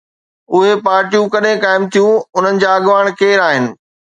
اهي پارٽيون ڪڏهن قائم ٿيون، انهن جا اڳواڻ ڪير آهن؟